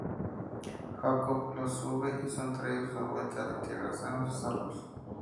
Jacob los sube y son traídos de vuelta a la Tierra sanos y salvos.